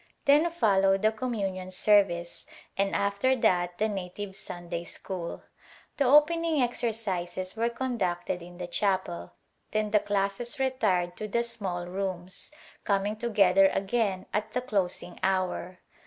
Then followed the communion service, and after that the native Sunday school. The opening exercises were conducted in the chapel, then the classes retired to the small rooms, coming together again at the closing hour.